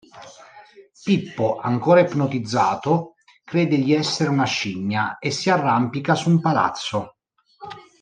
Pippo, ancora ipnotizzato, crede di essere una scimmia e si arrampica su un palazzo.